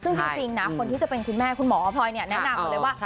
ซึ่งจริงนะคนที่จะเป็นคุณแม่คุณหมอพลอยเนี่ยแนะนำหมดเลยว่า